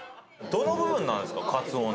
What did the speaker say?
どの部分なんですか？